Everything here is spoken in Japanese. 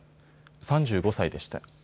３５歳でした。